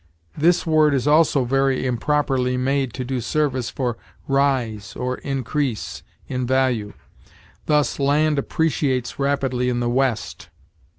This word is also very improperly made to do service for rise, or increase, in value; thus, "Land appreciates rapidly in the West."